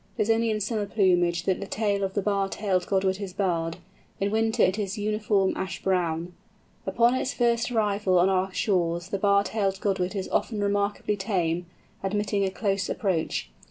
It is only in summer plumage that the tail of the Bar tailed Godwit is barred; in winter it is uniform ash brown. Upon its first arrival on our shores the Bar tailed Godwit is often remarkably tame, admitting a close approach.